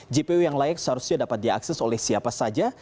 jpo yang layak seharusnya dapat diakses oleh siapa saja